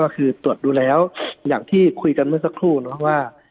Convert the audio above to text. คือตรวจดูแล้วอย่างที่คุยกันเมื่อสักครู่ว่า